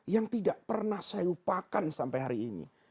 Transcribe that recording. yang tidak pernah saya lupakan sampai hari ini